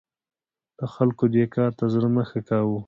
د خلکو دې کار ته زړه نه ښه کاوه.